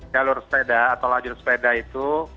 jalur sepeda atau lajur sepeda itu